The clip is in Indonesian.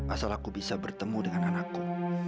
asal aku bisa bertemu dengan anakku